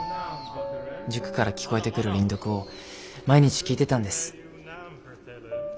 塾から聞こえてくる輪読を毎日聞いてたんです。